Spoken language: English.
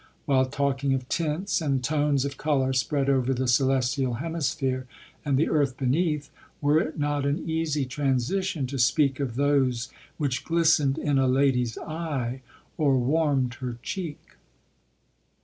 While talking of tints, and tones of colour spread over the celestial hemisphere and the earth beneath, were it not an easy transition to speak of those which glistened in a lady's eve, or warmed her cheek